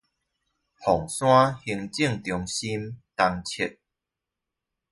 鳳山行政中心東側